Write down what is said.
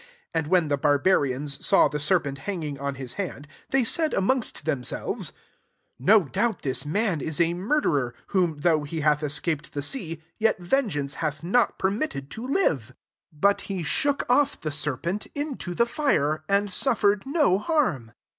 4 And when the barbarians saw ' the serpent hanging on his hand, they said amongst themselves," No doubt this man is a murderer, whom, though he hath escaped the sea, yet vengeance hath not permitted to live." 5 But he shook off the serpent into the fire, and suffered no harm.